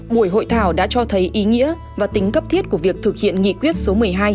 buổi hội thảo đã cho thấy ý nghĩa và tính cấp thiết của việc thực hiện nghị quyết số một mươi hai